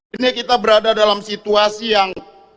ini kita berada dalam situasi yang